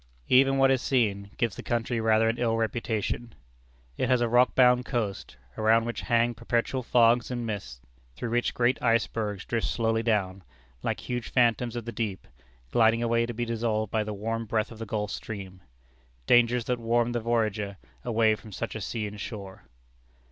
Even what is seen gives the country rather an ill reputation. It has a rockbound coast, around which hang perpetual fogs and mists, through which great icebergs drift slowly down, like huge phantoms of the deep, gliding away to be dissolved by the warm breath of the Gulf Stream: dangers that warn the voyager away from such a sea and shore.